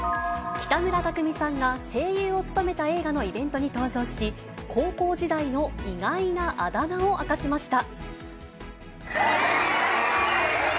北村匠海さんが声優を務めた映画のイベントに登場し、高校時代の意外なあだ名を明かしました。